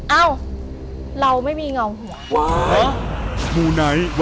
เอ้าเราไม่มีเงาหัว